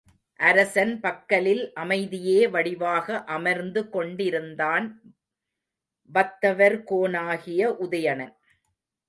அரசன் பக்கலில் அமைதியே வடிவாக அமர்ந்து கொண்டிருந்தான் வத்தவர் கோனாகிய உதயணன்.